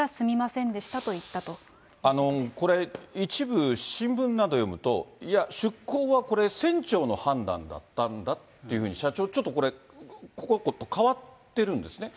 指摘されてから、これ、一部新聞などを読むと、いや、出港はこれ、船長の判断だったんだっていうふうに、社長、ちょっと、これ、ここ変わってるんですね。